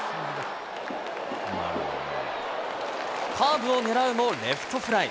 カーブを狙うもレフトフライ。